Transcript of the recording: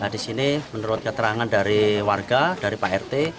di sini menurut keterangan dari warga dari pak rt